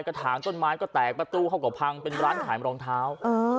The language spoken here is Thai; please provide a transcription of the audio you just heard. ถางต้นไม้ก็แตกประตูเขาก็พังเป็นร้านขายรองเท้า